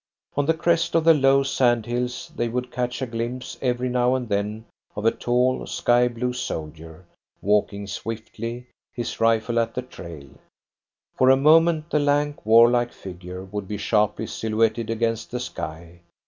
On the crest of the low sand hills they would catch a glimpse every now and then of a tall, sky blue soldier, walking swiftly, his rifle at the trail. For a moment the lank, warlike figure would be sharply silhouetted against the sky.